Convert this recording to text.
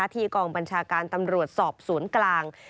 กองบัญชาการตำรวจสอบสวนกลาง